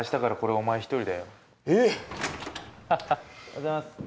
おはようございます